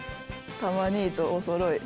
たま兄とおそろい。